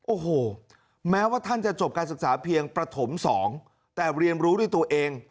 โอ้โหแม้ว่าท่านจะจบการศึกษาเพียงประถม๒แต่เรียนรู้ด้วยตัวเอง